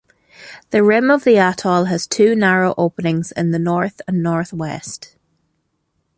The rim of the atoll has two narrow openings in the north and northwest.